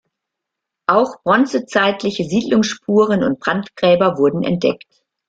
Auch bronzezeitliche Siedlungsspuren und Brandgräber wurden entdeckt.